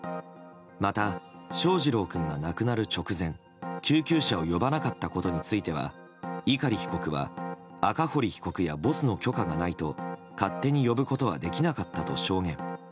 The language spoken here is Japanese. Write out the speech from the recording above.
また、翔士郎君が亡くなる直前救急車を呼ばなかったことについては碇被告は赤堀被告やボスの許可がないと勝手に呼ぶことはできなかったと証言。